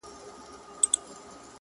• هر څوک خپله کيسه وايي تل..